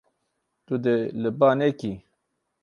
Tu dê li ba nekî.